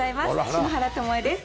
篠原ともえです。